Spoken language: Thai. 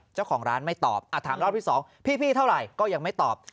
เจ้าของร้านไม่ตอบถามรอบที่๒พี่เท่าไหร่ก็ยังไม่ตอบ